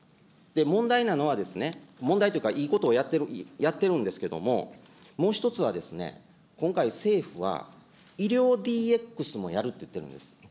問題なのはですね、問題というか、いいことをやってるんですけれども、もう１つは、今回政府は医療ＤＸもやるって言ってるんです。